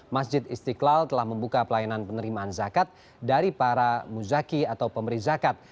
masjid istiqlal telah membuka pelayanan penerimaan zakat dari para muzaki atau pemberi zakat